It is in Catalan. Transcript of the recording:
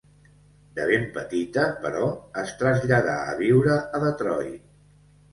De ben petita, però, es traslladà a viure a Detroit.